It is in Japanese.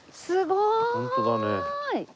すごーい。